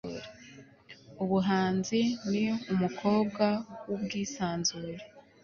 ubuhanzi ni umukobwa w'ubwisanzure